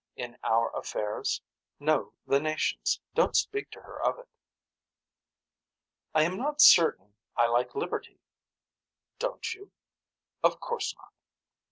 In our affairs. No the nations. Don't speak to her of it. I am not certain I like liberty. Don't you. Of course not.